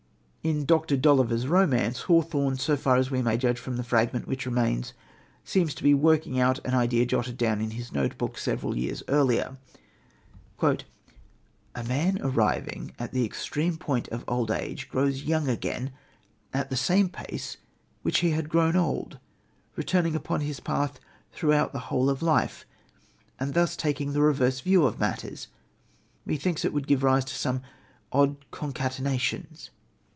In Dr. Dolliver's Romance, Hawthorne, so far as we may judge from the fragment which remains, seems to be working out an idea jotted down in his notebook several years earlier: "A man arriving at the extreme point of old age grows young again at the same pace at which he had grown old, returning upon his path throughout the whole of life, and thus taking the reverse view of matters. Methinks it would give rise to some odd concatenations."